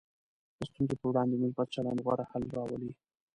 د ستونزو پر وړاندې مثبت چلند غوره حل راولي.